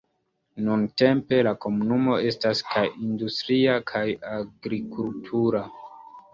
Nuntempe, la komunumo estas kaj industria kaj agrikultura.